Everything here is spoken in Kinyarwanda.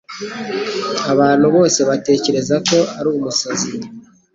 Abantu bose batekereza ko ari umusazi.